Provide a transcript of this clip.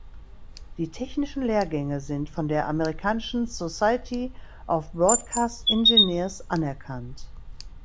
Die technischen Lehrgänge sind von der amerikanischen "Society of Broadcast Engineers" anerkannt.